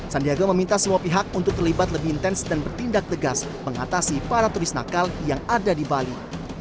sandiaga meminta semua pihak untuk terlibat lebih intens dan bertindak tegas mengatasi para turis nakal yang ada di bali